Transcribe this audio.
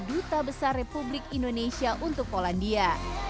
duta besar republik indonesia untuk polandia